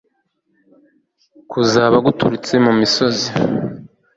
kuzaba guturutse mu misozi